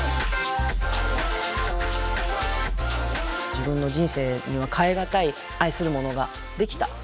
自分の人生には代え難い愛するものができた。